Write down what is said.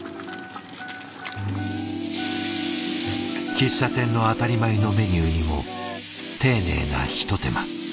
喫茶店の当たり前のメニューにも丁寧な一手間。